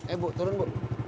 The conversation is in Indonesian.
eh bu turun bu